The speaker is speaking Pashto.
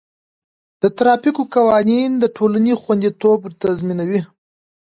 د ټرافیک قوانین د ټولنې خوندیتوب تضمینوي.